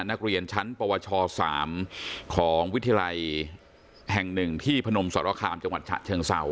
นักเรียนชั้นปวช๓ของวิทยาลัยแห่งหนึ่งที่พนมสรคามจังหวัดฉะเชิงเซา